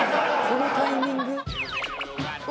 「このタイミング？」